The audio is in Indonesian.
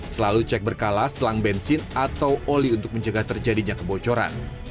selalu cek berkala selang bensin atau oli untuk mencegah terjadinya kebocoran